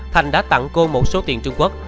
thành đã tặng cô một số tiền trung quốc